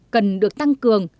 cần được tăng cường